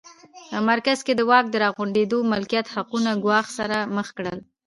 په مرکز کې د واک راغونډېدو د ملکیت حقوق ګواښ سره مخ کړل